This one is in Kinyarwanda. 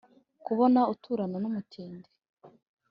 Kubona uturana n’umutindi